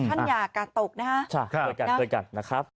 ท่านอยากการตกนะฮะโดยกันนะครับค่ะค่ะ